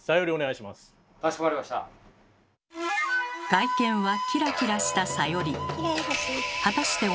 外見はキラキラしたサヨリ。